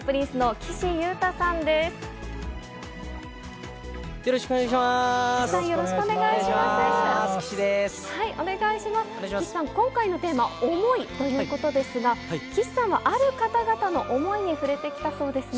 岸さん、今回のテーマ、想いということですが、岸さんはある方々の想いにふれてきたそうですね。